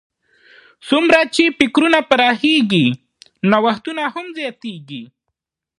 څومره چې فکرونه پراخېږي، نوښت هم زیاتیږي.